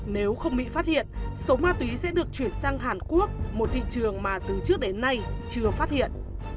nếu không bị phát hiện số ma túy sẽ được chuyển sang hàn quốc một thị trường mà từ trước đến nay chưa phát hiện